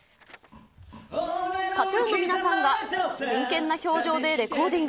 ＫＡＴーＴＵＮの皆さんが、真剣な表情でレコーディング。